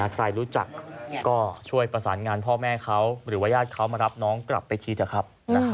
ใครรู้จักก็ช่วยประสานงานพ่อแม่เขาหรือว่าญาติเขามารับน้องกลับไปทีเถอะครับ